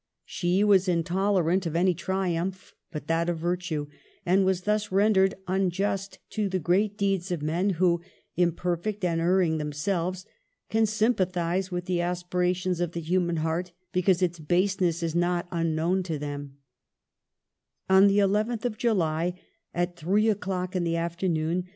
She was intol erant of any triumph but that of virtue, and was thus rendered unjust to the great deeds of men who, imperfect and erring themselves, can sym pathize with the aspirations of the human heart because its baseness is not unknown to them On the nth of July, at 3 o'clock in the after noon, M.